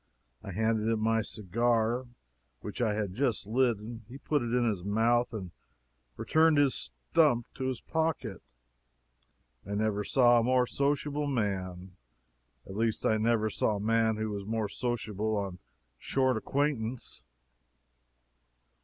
I handed him my cigar, which I had just lit, and he put it in his mouth and returned his stump to his pocket! I never saw a more sociable man. At least I never saw a man who was more sociable on a short acquaintance.